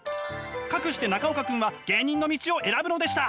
かくして中岡君は芸人の道を選ぶのでした！